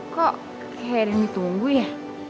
kok kayak ada yang ditunggu ya